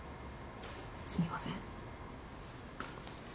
すみません。